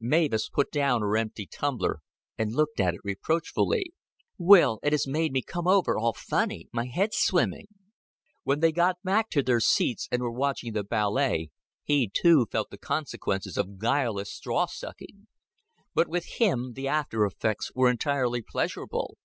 Mavis put down her empty tumbler, and looked at it reproachfully. "Will, it has made me come over all funny. My head's swimming." When they got back to their seats and were watching the ballet, he too felt the consequences of guileless straw sucking; but with him the after effects were entirely pleasurable.